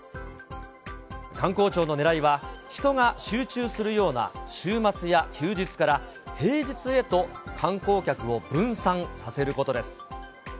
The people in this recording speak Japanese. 観光庁のねらいは、人が集中するような週末や休日から、平日へと観光客を分散させることです。